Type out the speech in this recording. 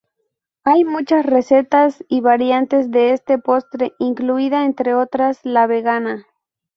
Hay muchas recetas y variantes de este postre, incluida, entre otras, la vegana.